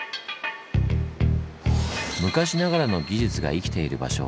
昔ながらの技術が生きている場所